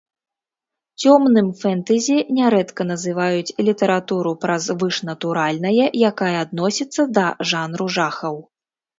Цёмным фэнтэзі нярэдка называюць літаратуру пра звышнатуральнае, якая адносіцца да жанру жахаў.